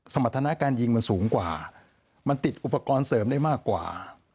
สมรรถนาการยิงมันสูงกว่ามันติดอุปกรณ์เสริมได้มากกว่า